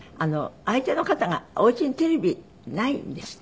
相手の方がお家にテレビないんですって？